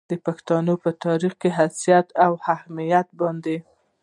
د پښتو پۀ تاريخي حېثيت او اهميت باندې